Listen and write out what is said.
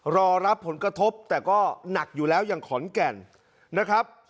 รอรับผลกระทบแต่ก็หนักอยู่แล้วอย่างขอนแก่นนะครับ